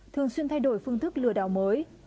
thường xuyên thay đổi phương thức lừa đảo mới